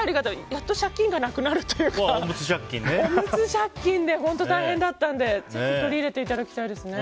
やっと借金がなくなるというかおむつ借金で大変だったので取り入れていただきたいですね。